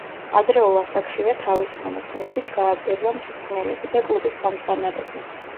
ადრეულ ასაკშივე თავისი მონაცემებით გააკვირვა მწვრთნელები და კლუბის ხელმძღვანელები.